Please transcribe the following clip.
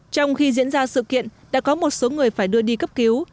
trong khi diễn ra sự kiện đã có một số người phải đưa đi cấp cứu